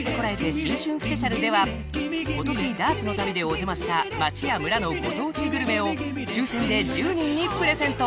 新春スペシャル』では今年ダーツの旅でお邪魔した町や村のご当地グルメを抽選で１０人にプレゼント